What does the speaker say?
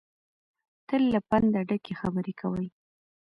تل له پنده ډکې خبرې کوي.